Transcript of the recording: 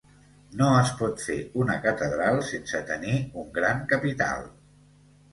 No es pot fer una catedral sense tenir un gran capital.